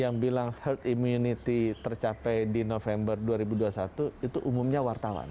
yang bilang herd immunity tercapai di november dua ribu dua puluh satu itu umumnya wartawan